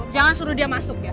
jangan suruh dia masuk ya